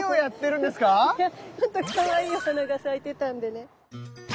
いやフッとかわいいお花が咲いてたんでね。